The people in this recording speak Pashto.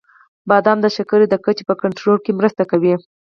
• بادام د شکر د کچې په کنټرول کې مرسته کوي.